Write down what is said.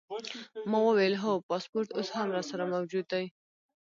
ما وویل: هو، پاسپورټ اوس هم راسره موجود دی.